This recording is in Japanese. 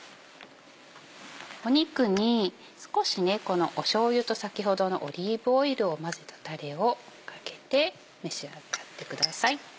肉に少ししょうゆと先ほどのオリーブオイルを混ぜたタレをかけて召し上がってください。